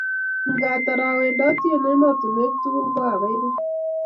ngatar a wendati eng ematunwek tugul ko a bai bai